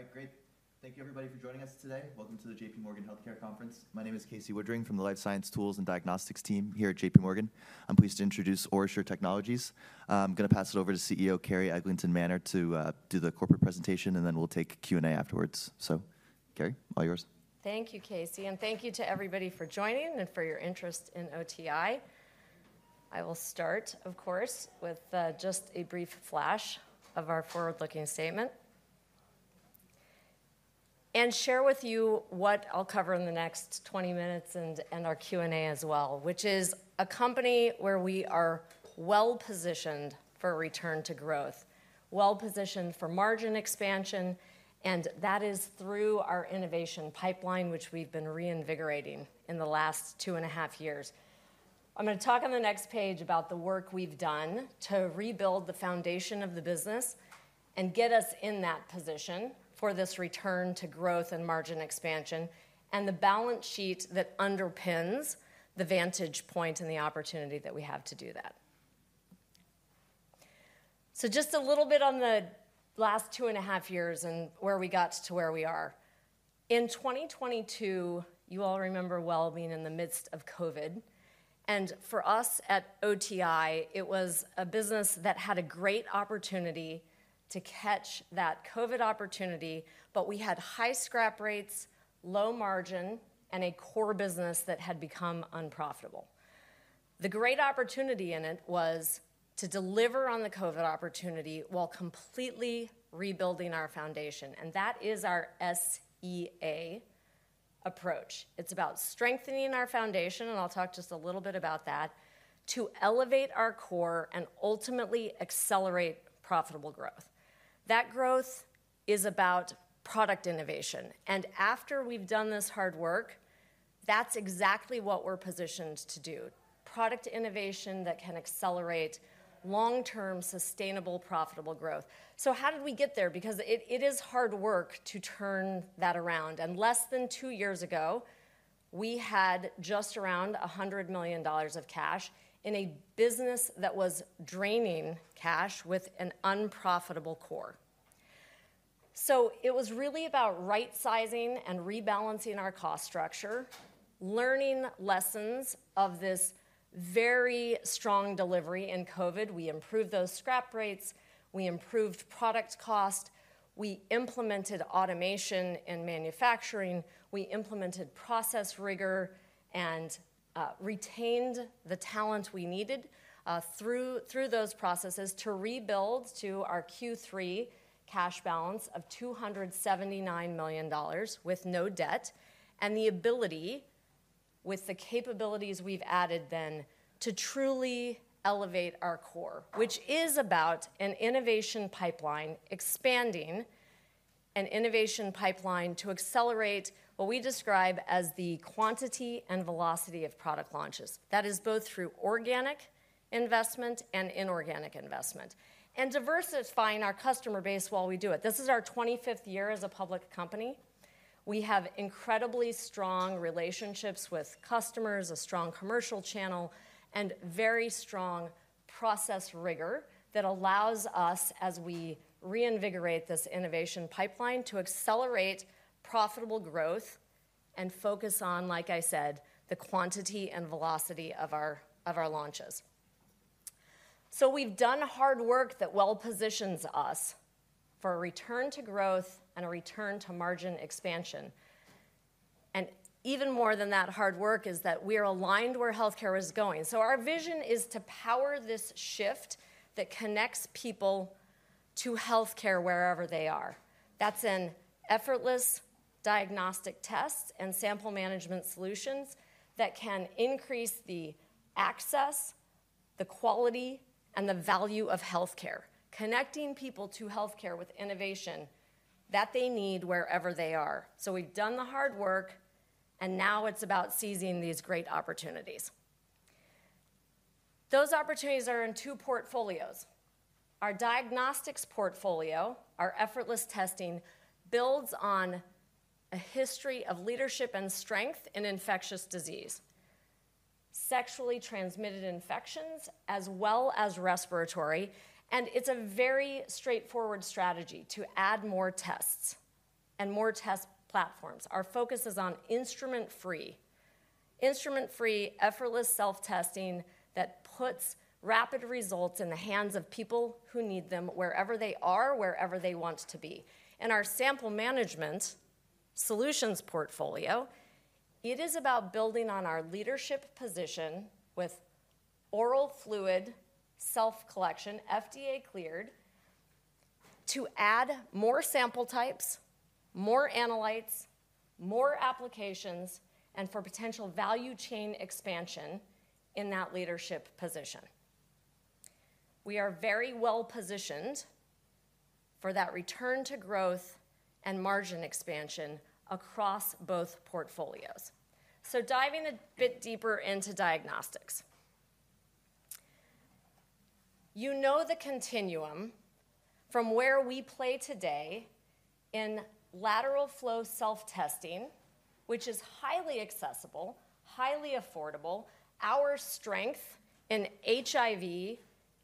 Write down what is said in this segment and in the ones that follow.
All right, great. Thank you, everybody, for joining us today. Welcome to J.P. Morgan Healthcare Conference. My name is Casey Woodring from the Life Science Tools and Diagnostics team here J.P. Morgan. I'm pleased to introduce OraSure Technologies. I'm going to pass it over to CEO Carrie Eglinton Manner to do the corporate presentation, and then we'll take Q&A afterwards. So, Carrie, all yours. Thank you, Casey, and thank you to everybody for joining and for your interest in OTI. I will start, of course, with just a brief flash of our forward-looking statement and share with you what I'll cover in the next 20 minutes and our Q&A as well, which is a company where we are well-positioned for return to growth, well-positioned for margin expansion, and that is through our innovation pipeline, which we've been reinvigorating in the last two and a half years. I'm going to talk on the next page about the work we've done to rebuild the foundation of the business and get us in that position for this return to growth and margin expansion and the balance sheet that underpins the vantage point and the opportunity that we have to do that. So just a little bit on the last two and a half years and where we got to where we are. In 2022, you all remember well being in the midst of COVID, and for us at OTI, it was a business that had a great opportunity to catch that COVID opportunity, but we had high scrap rates, low margin, and a core business that had become unprofitable. The great opportunity in it was to deliver on the COVID opportunity while completely rebuilding our foundation, and that is our SEA approach. It's about strengthening our foundation, and I'll talk just a little bit about that, to elevate our core and ultimately accelerate profitable growth. That growth is about product innovation, and after we've done this hard work, that's exactly what we're positioned to do: product innovation that can accelerate long-term sustainable profitable growth. So how did we get there? Because it is hard work to turn that around, and less than two years ago, we had just around $100 million of cash in a business that was draining cash with an unprofitable core. So it was really about right-sizing and rebalancing our cost structure, learning lessons of this very strong delivery in COVID. We improved those scrap rates, we improved product cost, we implemented automation in manufacturing, we implemented process rigor, and retained the talent we needed through those processes to rebuild to our Q3 cash balance of $279 million with no debt and the ability, with the capabilities we've added then, to truly elevate our core, which is about an innovation pipeline expanding, an innovation pipeline to accelerate what we describe as the quantity and velocity of product launches. That is both through organic investment and inorganic investment and diversifying our customer base while we do it. This is our 25th year as a public company. We have incredibly strong relationships with customers, a strong commercial channel, and very strong process rigor that allows us, as we reinvigorate this innovation pipeline, to accelerate profitable growth and focus on, like I said, the quantity and velocity of our launches. So we've done hard work that well positions us for a return to growth and a return to margin expansion, and even more than that hard work is that we are aligned where healthcare is going. So our vision is to power this shift that connects people to healthcare wherever they are. That's in effortless diagnostic tests and sample management solutions that can increase the access, the quality, and the value of healthcare, connecting people to healthcare with innovation that they need wherever they are. So we've done the hard work, and now it's about seizing these great opportunities. Those opportunities are in two portfolios. Our diagnostics portfolio, our effortless testing, builds on a history of leadership and strength in infectious disease, sexually transmitted infections, as well as respiratory, and it's a very straightforward strategy to add more tests and more test platforms. Our focus is on instrument-free, instrument-free, effortless self-testing that puts rapid results in the hands of people who need them wherever they are, wherever they want to be. In our sample management solutions portfolio, it is about building on our leadership position with oral fluid self-collection, FDA-cleared, to add more sample types, more analytes, more applications, and for potential value chain expansion in that leadership position. We are very well positioned for that return to growth and margin expansion across both portfolios. So diving a bit deeper into diagnostics, you know the continuum from where we play today in lateral flow self-testing, which is highly accessible, highly affordable. Our strength in HIV,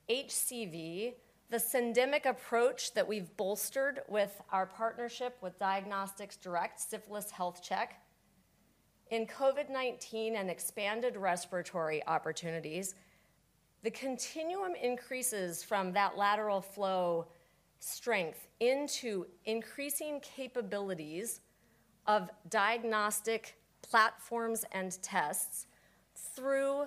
HCV, the syndemic approach that we've bolstered with our partnership with Diagnostics Direct, Syphilis Health Check, in COVID-19 and expanded respiratory opportunities. The continuum increases from that lateral flow strength into increasing capabilities of diagnostic platforms and tests through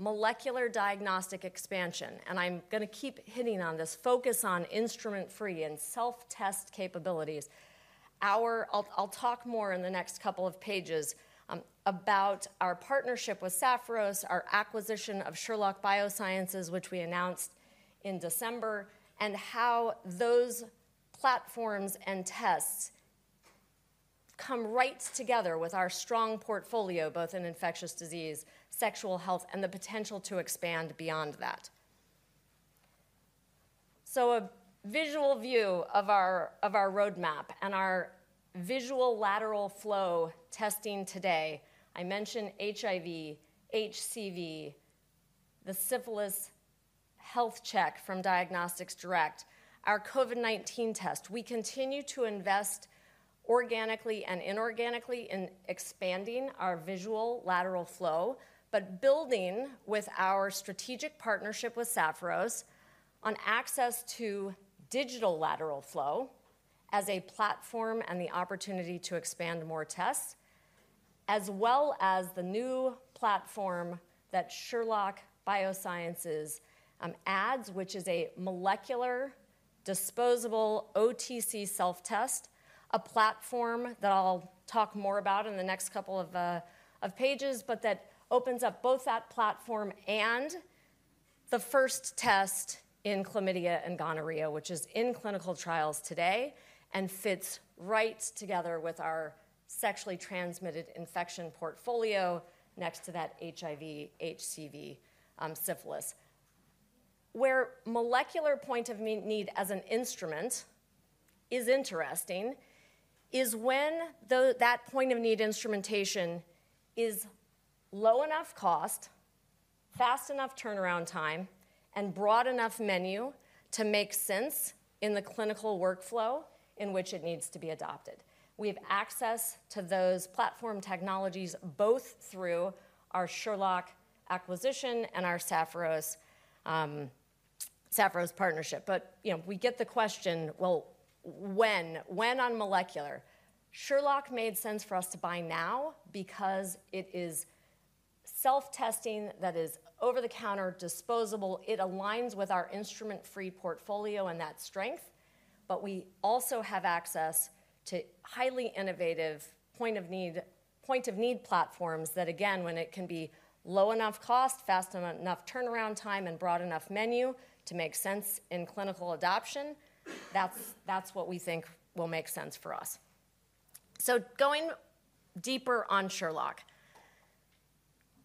molecular diagnostic expansion. And I'm going to keep hitting on this focus on instrument-free and self-test capabilities. I'll talk more in the next couple of pages about our partnership with Sapphiros, our acquisition of Sherlock Biosciences, which we announced in December, and how those platforms and tests come right together with our strong portfolio, both in infectious disease, sexual health, and the potential to expand beyond that. So a visual view of our roadmap and our visual lateral flow testing today. I mentioned HIV, HCV, the Syphilis Health Check from Diagnostics Direct, our COVID-19 test. We continue to invest organically and inorganically in expanding our visual lateral flow, but building with our strategic partnership with Sapphiros on access to digital lateral flow as a platform and the opportunity to expand more tests, as well as the new platform that Sherlock Biosciences adds, which is a molecular disposable OTC self-test, a platform that I'll talk more about in the next couple of pages, but that opens up both that platform and the first test in chlamydia and gonorrhea, which is in clinical trials today and fits right together with our sexually transmitted infection portfolio next to that HIV, HCV, syphilis. Where molecular point of need as an instrument is interesting is when that point of need instrumentation is low enough cost, fast enough turnaround time, and broad enough menu to make sense in the clinical workflow in which it needs to be adopted. We have access to those platform technologies both through our Sherlock acquisition and our Sapphiros partnership. But we get the question, well, when? When on molecular? Sherlock made sense for us to buy now because it is self-testing that is over-the-counter disposable. It aligns with our instrument-free portfolio and that strength, but we also have access to highly innovative point of need platforms that, again, when it can be low enough cost, fast enough turnaround time, and broad enough menu to make sense in clinical adoption, that's what we think will make sense for us. So going deeper on Sherlock,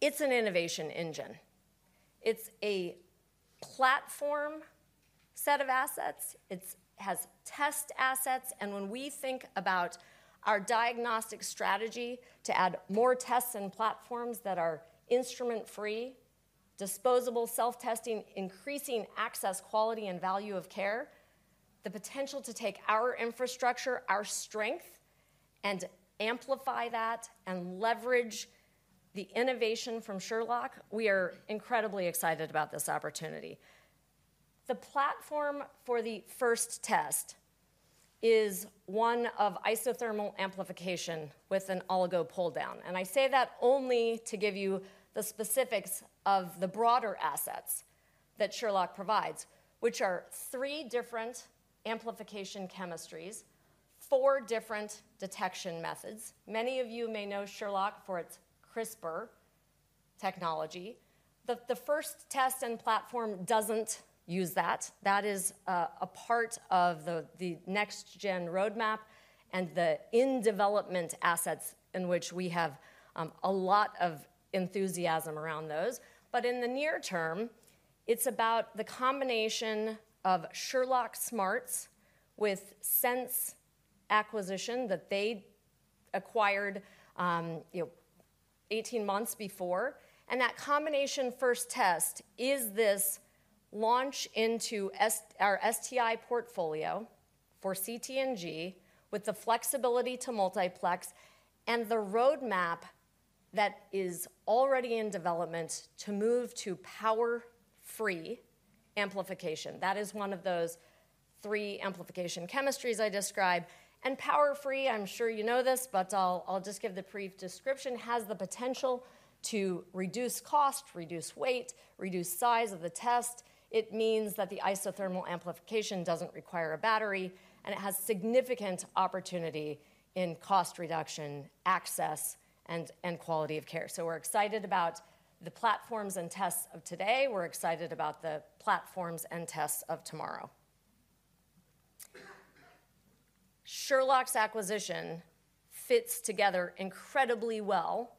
it's an innovation engine. It's a platform set of assets. It has test assets, and when we think about our diagnostic strategy to add more tests and platforms that are instrument-free, disposable self-testing, increasing access, quality, and value of care, the potential to take our infrastructure, our strength, and amplify that and leverage the innovation from Sherlock, we are incredibly excited about this opportunity. The platform for the first test is one of isothermal amplification with an oligo pull-down, and I say that only to give you the specifics of the broader assets that Sherlock provides, which are three different amplification chemistries, four different detection methods. Many of you may know Sherlock for its CRISPR technology. The first test and platform doesn't use that. That is a part of the next-gen roadmap and the in-development assets in which we have a lot of enthusiasm around those. But in the near term, it's about the combination of Sherlock smarts with Sense acquisition that they acquired 18 months before, and that combination first test is this launch into our STI portfolio for CT&G with the flexibility to multiplex and the roadmap that is already in development to move to power-free amplification. That is one of those three amplification chemistries I described, and power-free, I'm sure you know this, but I'll just give the brief description, has the potential to reduce cost, reduce weight, reduce size of the test. It means that the isothermal amplification doesn't require a battery, and it has significant opportunity in cost reduction, access, and quality of care. So we're excited about the platforms and tests of today. We're excited about the platforms and tests of tomorrow. Sherlock's acquisition fits together incredibly well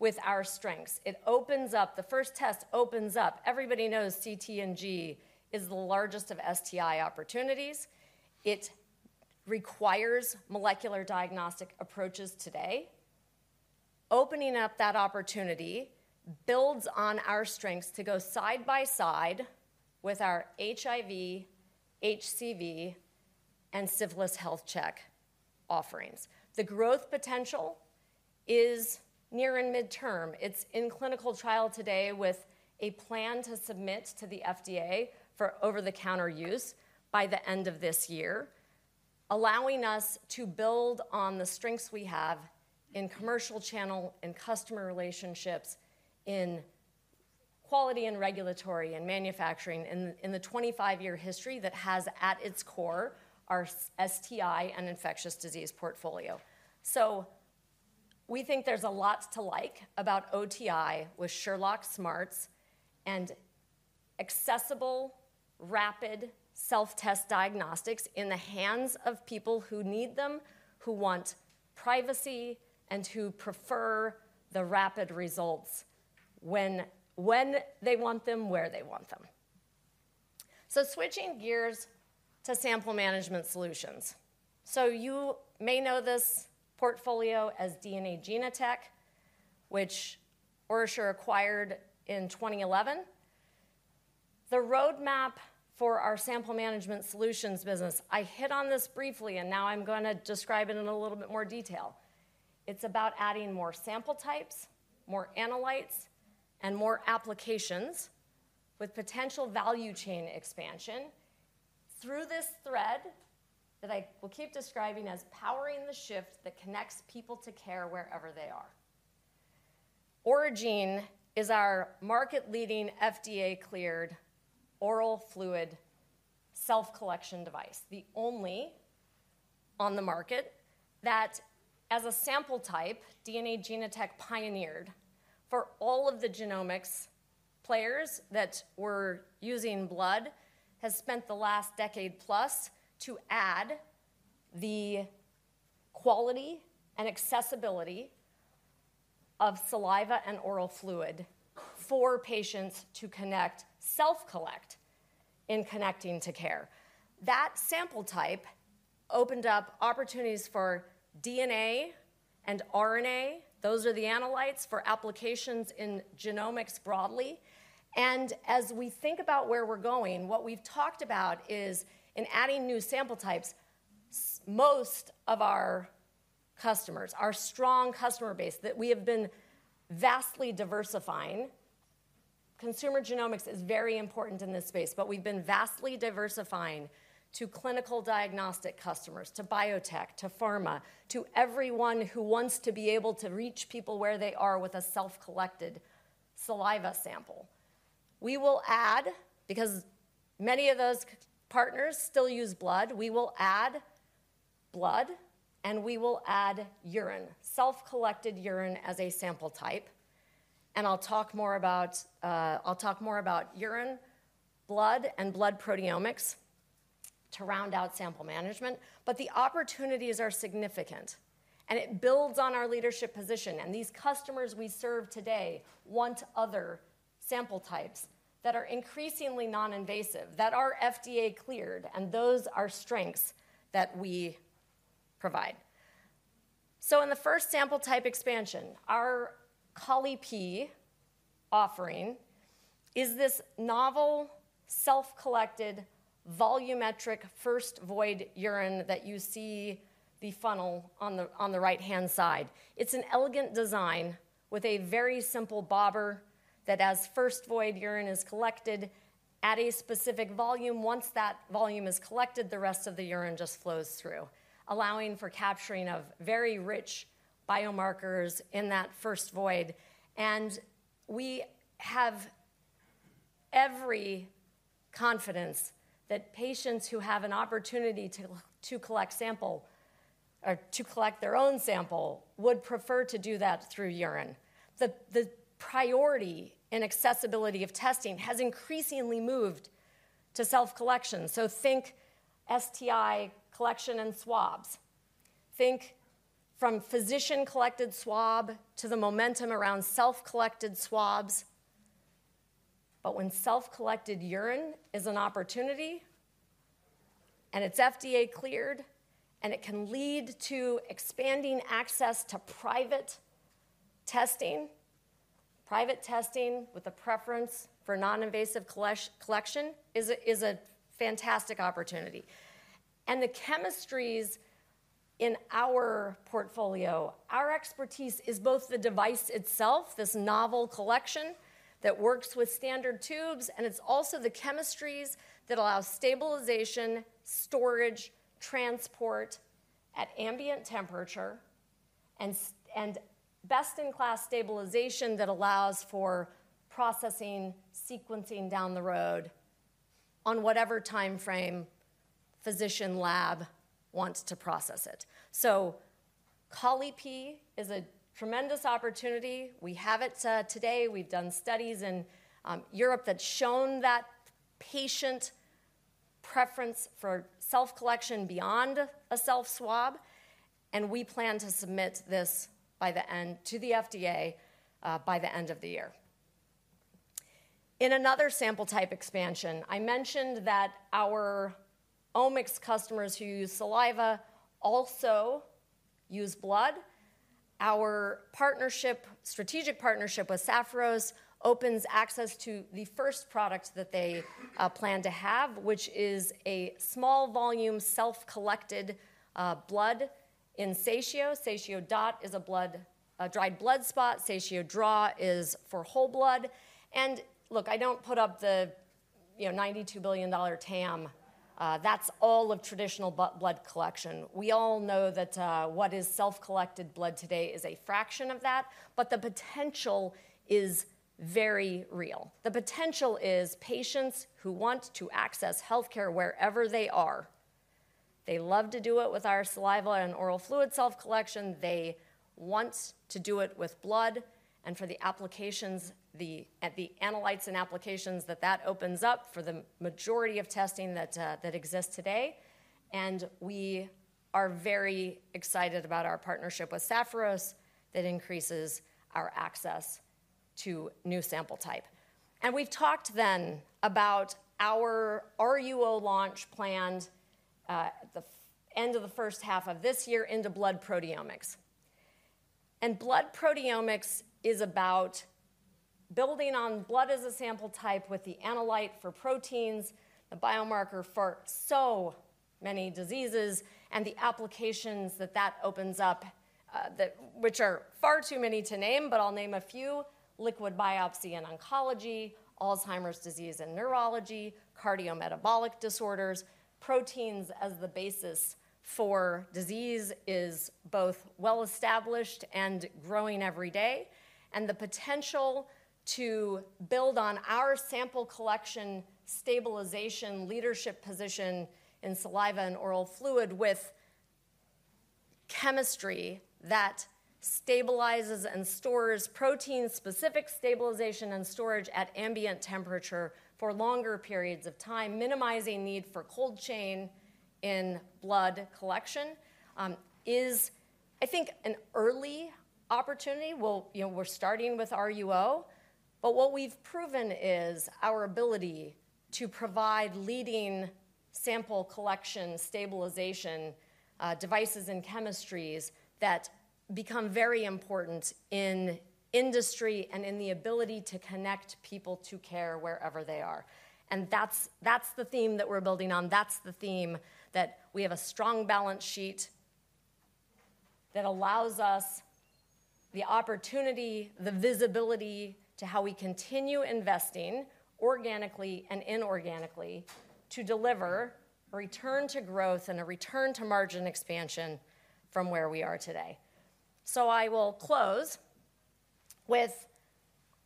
with our strengths. It opens up. The first test opens up. Everybody knows CT&G is the largest of STI opportunities. It requires molecular diagnostic approaches today. Opening up that opportunity builds on our strengths to go side by side with our HIV, HCV, and Syphilis Health Check offerings. The growth potential is near and midterm. It's in clinical trial today with a plan to submit to the FDA for over-the-counter use by the end of this year, allowing us to build on the strengths we have in commercial channel and customer relationships in quality and regulatory and manufacturing in the 25-year history that has at its core our STI and infectious disease portfolio, so we think there's a lot to like about OTI with Sherlock Smarts and accessible, rapid self-test diagnostics in the hands of people who need them, who want privacy, and who prefer the rapid results when they want them, where they want them. So switching gears to sample management solutions. So you may know this portfolio as DNA Genotek, which OraSure acquired in 2011. The roadmap for our sample management solutions business, I hit on this briefly, and now I'm going to describe it in a little bit more detail. It's about adding more sample types, more analytes, and more applications with potential value chain expansion through this thread that I will keep describing as powering the shift that connects people to care wherever they are. Oragene is our market-leading FDA-cleared oral fluid self-collection device, the only on the market that, as a sample type, DNA Genotek pioneered for all of the genomics players that were using blood, has spent the last decade plus to add the quality and accessibility of saliva and oral fluid for patients to connect, self-collect in connecting to care. That sample type opened up opportunities for DNA and RNA. Those are the analytes for applications in genomics broadly. And as we think about where we're going, what we've talked about is in adding new sample types, most of our customers, our strong customer base that we have been vastly diversifying. Consumer genomics is very important in this space, but we've been vastly diversifying to clinical diagnostic customers, to biotech, to pharma, to everyone who wants to be able to reach people where they are with a self-collected saliva sample. We will add, because many of those partners still use blood, we will add blood, and we will add urine, self-collected urine as a sample type. And I'll talk more about urine, blood, and blood proteomics to round out sample management, but the opportunities are significant, and it builds on our leadership position. And these customers we serve today want other sample types that are increasingly non-invasive, that are FDA-cleared, and those are strengths that we provide. So in the first sample type expansion, our Colli-Pee offering is this novel self-collected volumetric first void urine that you see the funnel on the right-hand side. It's an elegant design with a very simple bobber that, as first void urine is collected, add a specific volume. Once that volume is collected, the rest of the urine just flows through, allowing for capturing of very rich biomarkers in that first void. And we have every confidence that patients who have an opportunity to collect sample or to collect their own sample would prefer to do that through urine. The priority and accessibility of testing has increasingly moved to self-collection. So think STI collection and swabs. Think from physician-collected swab to the momentum around self-collected swabs. When self-collected urine is an opportunity and it's FDA-cleared and it can lead to expanding access to private testing, private testing with a preference for non-invasive collection is a fantastic opportunity. The chemistries in our portfolio, our expertise is both the device itself, this novel collection that works with standard tubes, and it's also the chemistries that allow stabilization, storage, transport at ambient temperature, and best-in-class stabilization that allows for processing, sequencing down the road on whatever timeframe physician lab wants to process it. Colli-Pee is a tremendous opportunity. We have it today. We've done studies in Europe that's shown that patient preference for self-collection beyond a self-swab, and we plan to submit this by the end to the FDA by the end of the year. In another sample type expansion, I mentioned that our omics customers who use saliva also use blood. Our strategic partnership with Sapphiros opens access to the first product that they plan to have, which is a small volume self-collected blood in Satio. SatioDot is a dried blood spot. SatioDraw is for whole blood, and look, I don't put up the $92 billion TAM. That's all of traditional blood collection. We all know that what is self-collected blood today is a fraction of that, but the potential is very real. The potential is patients who want to access healthcare wherever they are. They love to do it with our saliva and oral fluid self-collection. They want to do it with blood, and for the applications, the analytes and applications that that opens up for the majority of testing that exists today, and we are very excited about our partnership with Sapphiros that increases our access to new sample type. We've talked then about our RUO launch planned at the end of the first half of this year into blood proteomics. Blood proteomics is about building on blood as a sample type with the analytes for proteins, the biomarker for so many diseases, and the applications that that opens up, which are far too many to name, but I'll name a few: liquid biopsy in oncology, Alzheimer's disease in neurology, cardiometabolic disorders. Proteins as the basis for disease is both well-established and growing every day. The potential to build on our sample collection stabilization leadership position in saliva and oral fluid with chemistry that stabilizes and stores protein-specific stabilization and storage at ambient temperature for longer periods of time, minimizing need for cold chain in blood collection, is, I think, an early opportunity. We're starting with RUO, but what we've proven is our ability to provide leading sample collection stabilization devices and chemistries that become very important in industry and in the ability to connect people to care wherever they are, and that's the theme that we're building on. That's the theme that we have a strong balance sheet that allows us the opportunity, the visibility to how we continue investing organically and inorganically to deliver a return to growth and a return to margin expansion from where we are today, so I will close with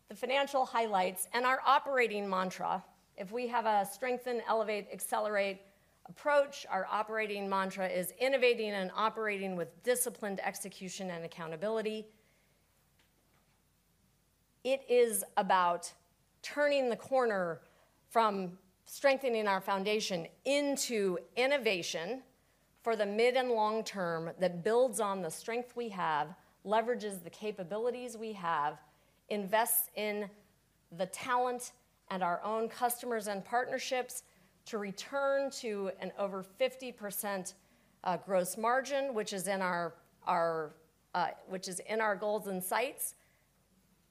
the financial highlights and our operating mantra. If we have our Strengthen, Elevate, Accelerate approach, our operating mantra is innovating and operating with disciplined execution and accountability. It is about turning the corner from strengthening our foundation into innovation for the mid and long term that builds on the strength we have, leverages the capabilities we have, invests in the talent and our own customers and partnerships to return to an over 50% gross margin, which is in our goals and sights,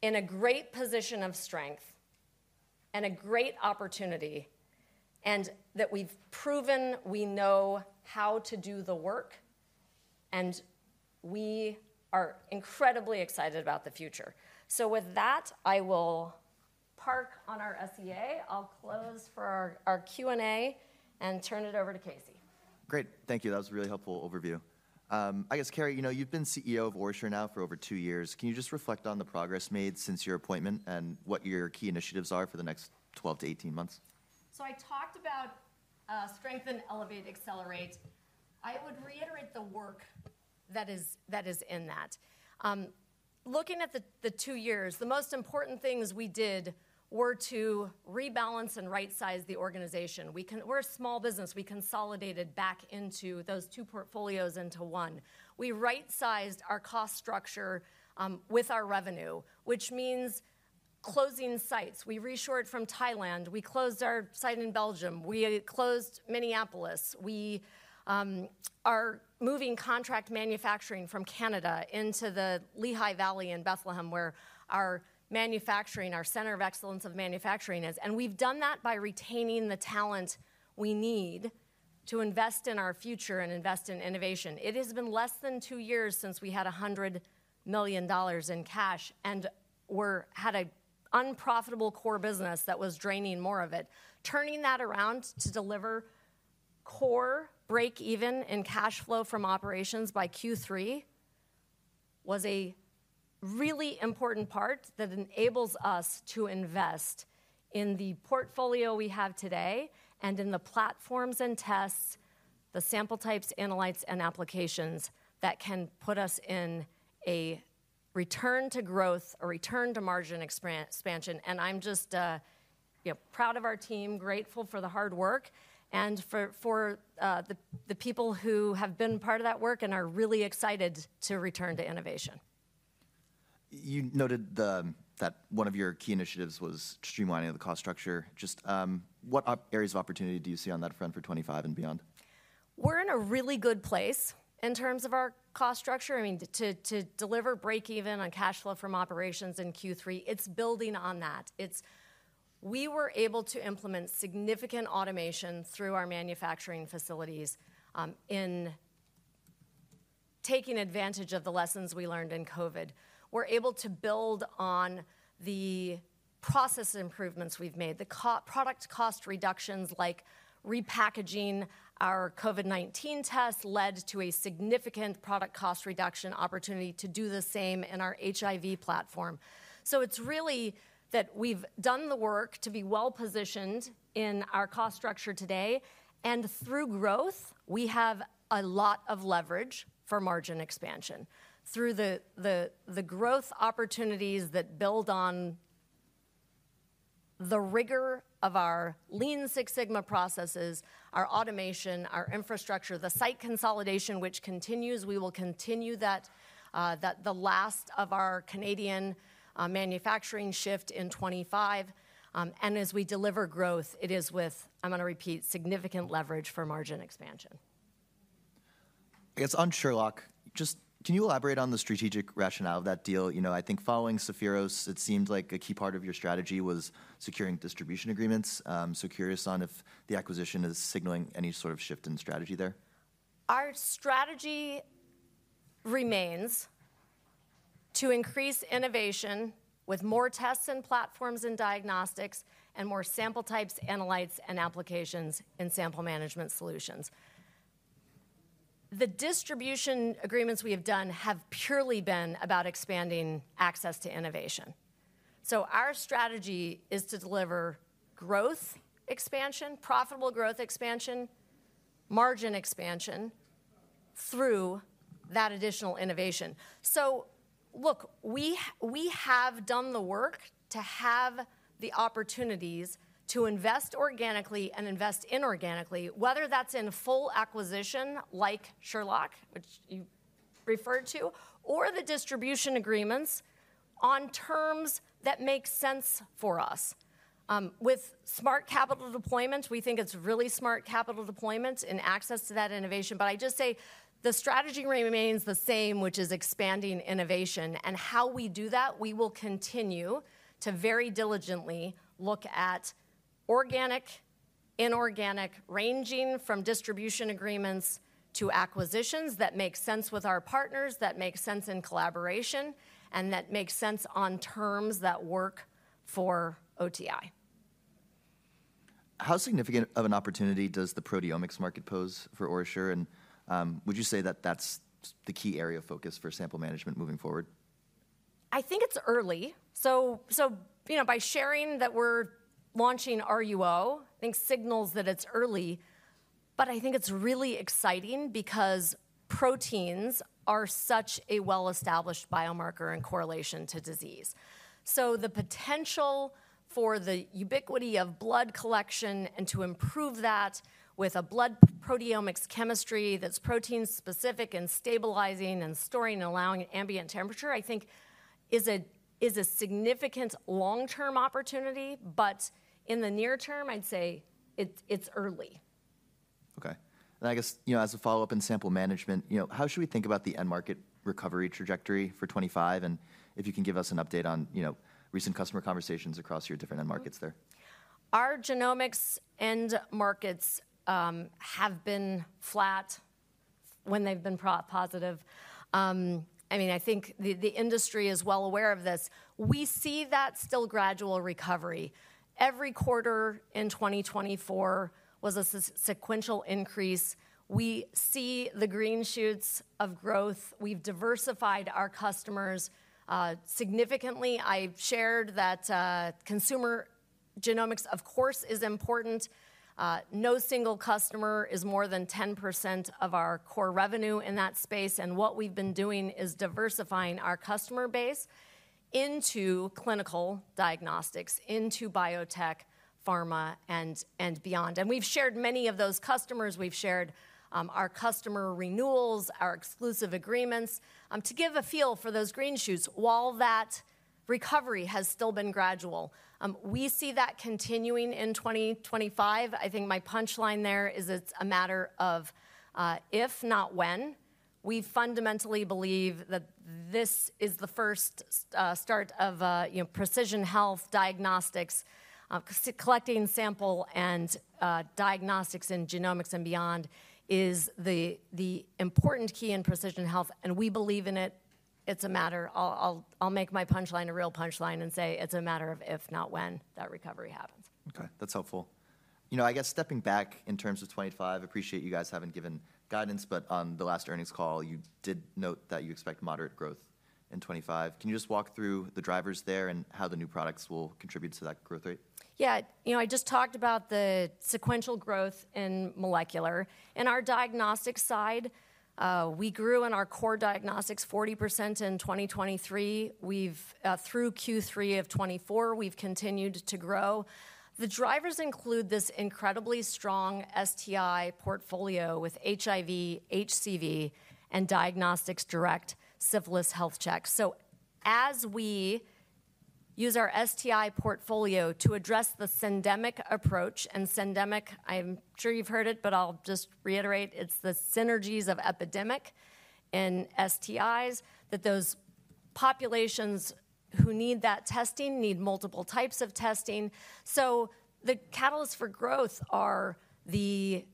in a great position of strength and a great opportunity and that we've proven we know how to do the work, and we are incredibly excited about the future, so with that, I will park on our SEA. I'll close for our Q&A and turn it over to Casey. Great. Thank you. That was a really helpful overview. I guess, Carrie, you've been CEO of OraSure now for over two years. Can you just reflect on the progress made since your appointment and what your key initiatives are for the next 12-18 months? So I talked about strengthen, elevate, accelerate. I would reiterate the work that is in that. Looking at the two years, the most important things we did were to rebalance and right-size the organization. We're a small business. We consolidated back into those two portfolios into one. We right-sized our cost structure with our revenue, which means closing sites. We reshored from Thailand. We closed our site in Belgium. We closed Minneapolis. We are moving contract manufacturing from Canada into the Lehigh Valley in Bethlehem, where our manufacturing, our center of excellence of manufacturing is. And we've done that by retaining the talent we need to invest in our future and invest in innovation. It has been less than two years since we had $100 million in cash and had an unprofitable core business that was draining more of it. Turning that around to deliver core break-even in cash flow from operations by Q3 was a really important part that enables us to invest in the portfolio we have today and in the platforms and tests, the sample types, analytes, and applications that can put us in a return to growth, a return to margin expansion, and I'm just proud of our team, grateful for the hard work, and for the people who have been part of that work and are really excited to return to innovation. You noted that one of your key initiatives was streamlining the cost structure. Just what areas of opportunity do you see on that front for 2025 and beyond? We're in a really good place in terms of our cost structure. I mean, to deliver break-even on cash flow from operations in Q3, it's building on that. We were able to implement significant automation through our manufacturing facilities in taking advantage of the lessons we learned in COVID. We're able to build on the process improvements we've made, the product cost reductions like repackaging our COVID-19 test, led to a significant product cost reduction opportunity to do the same in our HIV platform. So it's really that we've done the work to be well-positioned in our cost structure today, and through growth, we have a lot of leverage for margin expansion. Through the growth opportunities that build on the rigor of our Lean Six Sigma processes, our automation, our infrastructure, the site consolidation, which continues, we will continue that: the last of our Canadian manufacturing shift in 2025. As we deliver growth, it is with, I'm going to repeat, significant leverage for margin expansion. I guess on Sherlock, just can you elaborate on the strategic rationale of that deal? I think following Sapphiros's, it seemed like a key part of your strategy was securing distribution agreements. So curious on if the acquisition is signaling any sort of shift in strategy there. Our strategy remains to increase innovation with more tests and platforms and diagnostics and more sample types, analytes, and applications in sample management solutions. The distribution agreements we have done have purely been about expanding access to innovation. So our strategy is to deliver growth expansion, profitable growth expansion, margin expansion through that additional innovation. So look, we have done the work to have the opportunities to invest organically and invest inorganically, whether that's in full acquisition like Sherlock, which you referred to, or the distribution agreements on terms that make sense for us. With smart capital deployment, we think it's really smart capital deployment and access to that innovation. But I just say the strategy remains the same, which is expanding innovation. And how we do that, we will continue to very diligently look at organic, inorganic, ranging from distribution agreements to acquisitions that make sense with our partners, that make sense in collaboration, and that make sense on terms that work for OTI. How significant of an opportunity does the proteomics market pose for OraSure? And would you say that that's the key area of focus for sample management moving forward? I think it's early. So by sharing that we're launching RUO, I think signals that it's early, but I think it's really exciting because proteins are such a well-established biomarker in correlation to disease. So the potential for the ubiquity of blood collection and to improve that with a blood proteomics chemistry that's protein-specific and stabilizing and storing and allowing ambient temperature, I think is a significant long-term opportunity. But in the near term, I'd say it's early. Okay. And I guess as a follow-up in sample management, how should we think about the end market recovery trajectory for 2025? And if you can give us an update on recent customer conversations across your different end markets there. Our genomics end markets have been flat when they've been positive. I mean, I think the industry is well aware of this. We see that still gradual recovery. Every quarter in 2024 was a sequential increase. We see the green shoots of growth. We've diversified our customers significantly. I've shared that consumer genomics, of course, is important. No single customer is more than 10% of our core revenue in that space. And what we've been doing is diversifying our customer base into clinical diagnostics, into biotech, pharma, and beyond. And we've shared many of those customers. We've shared our customer renewals, our exclusive agreements to give a feel for those green shoots while that recovery has still been gradual. We see that continuing in 2025. I think my punchline there is it's a matter of if, not when. We fundamentally believe that this is the first start of precision health diagnostics. Collecting sample and diagnostics in genomics and beyond is the important key in precision health. And we believe in it. It's a matter, I'll make my punchline a real punchline, and say it's a matter of if, not when that recovery happens. Okay. That's helpful. I guess stepping back in terms of 2025, appreciate you guys having given guidance, but on the last earnings call, you did note that you expect moderate growth in 2025. Can you just walk through the drivers there and how the new products will contribute to that growth rate? Yeah. I just talked about the sequential growth in molecular. In our diagnostic side, we grew in our core diagnostics 40% in 2023. Through Q3 of 2024, we've continued to grow. The drivers include this incredibly strong STI portfolio with HIV, HCV, and Diagnostics Direct Syphilis Health Checks. So as we use our STI portfolio to address the syndemic approach, and syndemic, I'm sure you've heard it, but I'll just reiterate, it's the synergies of epidemic and STIs that those populations who need that testing need multiple types of testing. So the catalysts for growth are the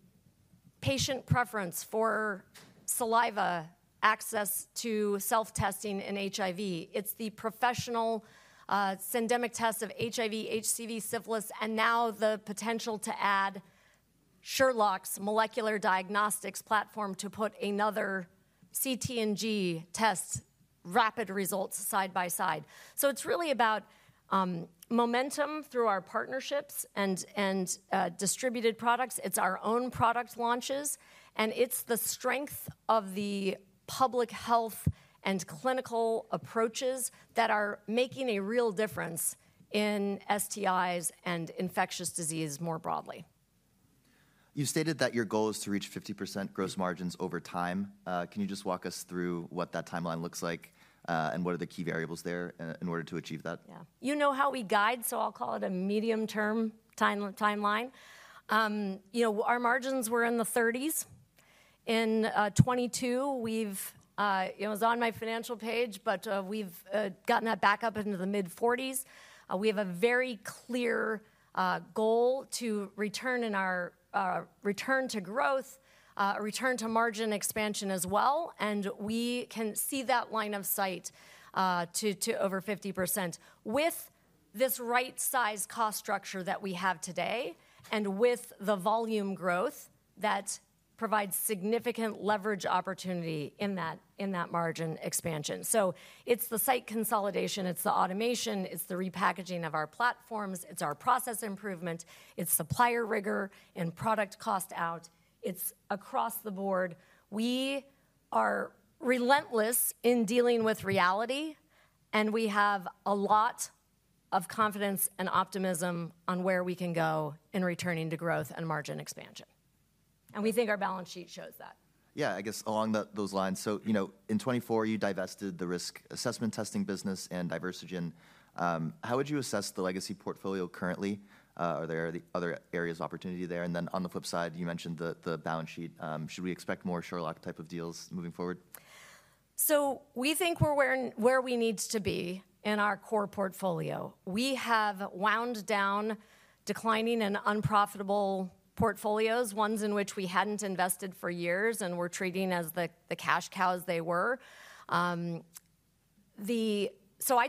patient preference for saliva, access to self-testing in HIV. It's the professional syndemic tests of HIV, HCV, syphilis, and now the potential to add Sherlock's molecular diagnostics platform to put another CT and G test rapid results side by side. So it's really about momentum through our partnerships and distributed products. It's our own product launches and it's the strength of the public health and clinical approaches that are making a real difference in STIs and infectious disease more broadly. You stated that your goal is to reach 50% gross margins over time. Can you just walk us through what that timeline looks like and what are the key variables there in order to achieve that? Yeah. You know how we guide, so I'll call it a medium-term timeline. Our margins were in the 30s. In 2022, it was on my financial page, but we've gotten that back up into the mid-40s. We have a very clear goal to return in our return to growth, return to margin expansion as well. And we can see that line of sight to over 50% with this right-sized cost structure that we have today and with the volume growth that provides significant leverage opportunity in that margin expansion. So it's the site consolidation. It's the automation. It's the repackaging of our platforms. It's our process improvement. It's supplier rigor and product cost out. It's across the board. We are relentless in dealing with reality, and we have a lot of confidence and optimism on where we can go in returning to growth and margin expansion. We think our balance sheet shows that. Yeah, I guess along those lines. So in 2024, you divested the risk assessment testing business and Diversigen. How would you assess the legacy portfolio currently? Are there other areas of opportunity there? And then on the flip side, you mentioned the balance sheet. Should we expect more Sherlock type of deals moving forward? We think we're where we need to be in our core portfolio. We have wound down declining and unprofitable portfolios, ones in which we hadn't invested for years and were treating as the cash cow as they were. I'd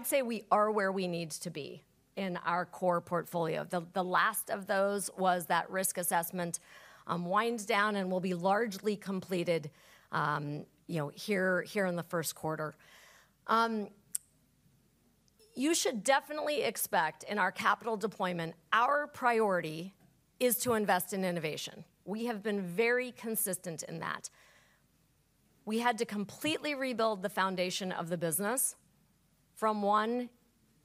say we are where we need to be in our core portfolio. The last of those was that risk assessment winds down and will be largely completed here in the first quarter. You should definitely expect, in our capital deployment, our priority is to invest in innovation. We have been very consistent in that. We had to completely rebuild the foundation of the business from one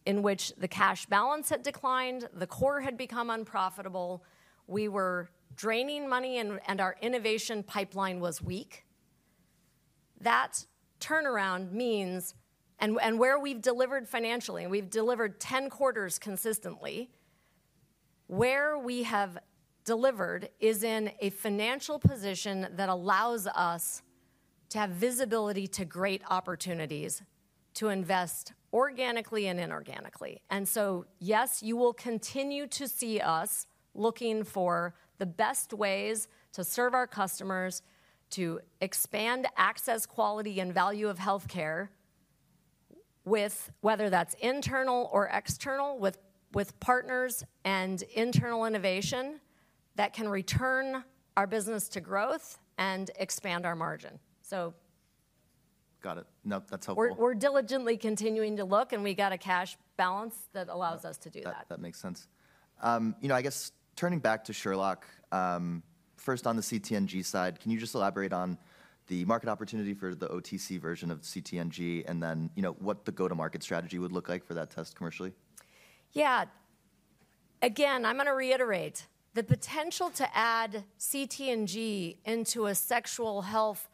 in which the cash balance had declined, the core had become unprofitable. We were draining money and our innovation pipeline was weak. That turnaround means, and where we've delivered financially, we've delivered 10 quarters consistently. Where we have delivered is in a financial position that allows us to have visibility to great opportunities to invest organically and inorganically. And so yes, you will continue to see us looking for the best ways to serve our customers, to expand access, quality, and value of healthcare, whether that's internal or external, with partners and internal innovation that can return our business to growth and expand our margin. So. Got it. No, that's helpful. We're diligently continuing to look, and we got a cash balance that allows us to do that. That makes sense. I guess turning back to Sherlock, first on the CT&G side, can you just elaborate on the market opportunity for the OTC version of CT&G and then what the go-to-market strategy would look like for that test commercially? Yeah. Again, I'm going to reiterate. The potential to add CT&G into a sexual health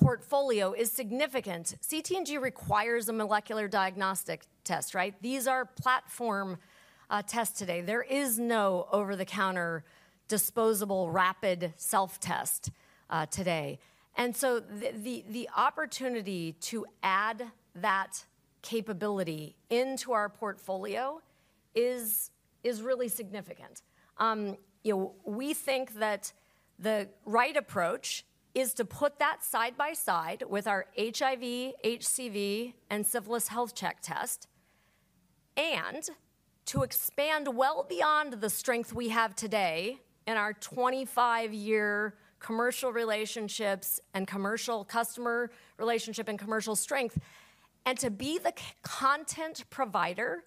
portfolio is significant. CT&G requires a molecular diagnostic test, right? These are platform tests today. There is no over-the-counter disposable rapid self-test today. And so the opportunity to add that capability into our portfolio is really significant. We think that the right approach is to put that side by side with our HIV, HCV, and Syphilis Health Check test and to expand well beyond the strength we have today in our 25-year commercial relationships and commercial customer relationship and commercial strength and to be the content provider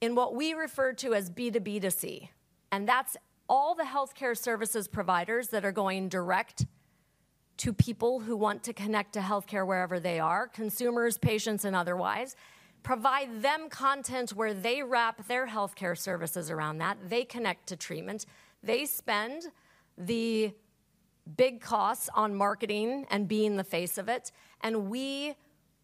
in what we refer to as B2B2C. And that's all the healthcare services providers that are going direct to people who want to connect to healthcare wherever they are, consumers, patients, and otherwise, provide them content where they wrap their healthcare services around that. They connect to treatment. They spend the big costs on marketing and being the face of it. And we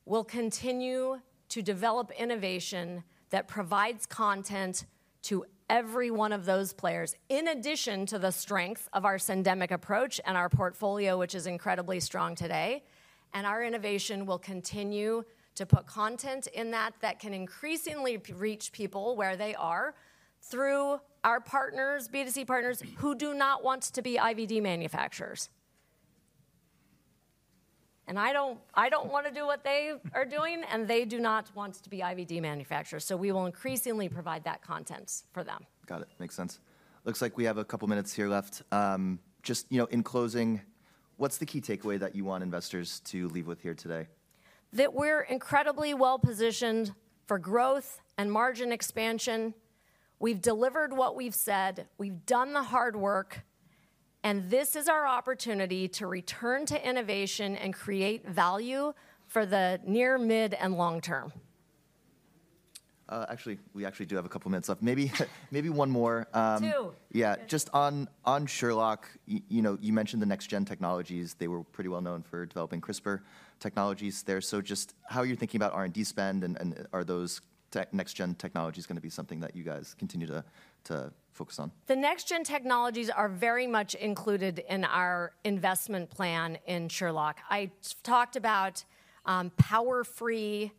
will continue to develop innovation that provides content to every one of those players in addition to the strength of our syndemic approach and our portfolio, which is incredibly strong today. And our innovation will continue to put content in that that can increasingly reach people where they are through our partners, B2C partners who do not want to be IVD manufacturers. And I don't want to do what they are doing, and they do not want to be IVD manufacturers. So we will increasingly provide that content for them. Got it. Makes sense. Looks like we have a couple of minutes here left. Just in closing, what's the key takeaway that you want investors to leave with here today? That we're incredibly well-positioned for growth and margin expansion. We've delivered what we've said. We've done the hard work, and this is our opportunity to return to innovation and create value for the near, mid, and long term. Actually, we actually do have a couple of minutes left. Maybe one more. Two. Yeah. Just on Sherlock, you mentioned the next-gen technologies. They were pretty well known for developing CRISPR technologies there. So just how are you thinking about R&D spend, and are those next-gen technologies going to be something that you guys continue to focus on? The next-gen technologies are very much included in our investment plan in Sherlock. I talked about power-free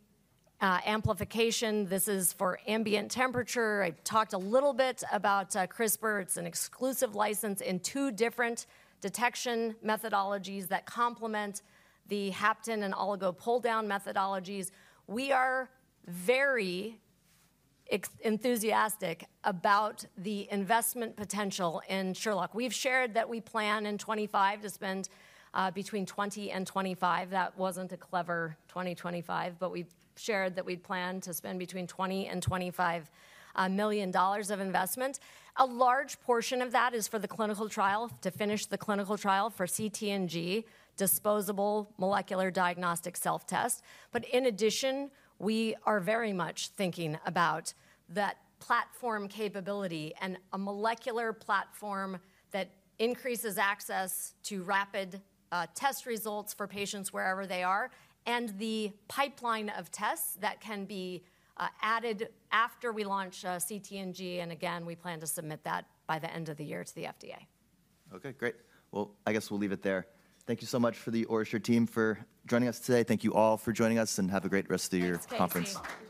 amplification. This is for ambient temperature. I talked a little bit about CRISPR. It's an exclusive license in two different detection methodologies that complement the hapten and oligo pull-down methodologies. We are very enthusiastic about the investment potential in Sherlock. We've shared that we plan in 2025 to spend between 20 and 25. That wasn't a clever 2025, but we've shared that we'd plan to spend between $20 million and $25 million of investment. A large portion of that is for the clinical trial, to finish the clinical trial for CT&G, disposable molecular diagnostic self-test. But in addition, we are very much thinking about that platform capability and a molecular platform that increases access to rapid test results for patients wherever they are and the pipeline of tests that can be added after we launch CT&G. And again, we plan to submit that by the end of the year to the FDA. Okay. Great. Well, I guess we'll leave it there. Thank you so much for the OraSure team for joining us today. Thank you all for joining us, and have a great rest of your conference.